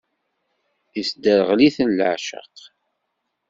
Isderɣel-iten leɛceq.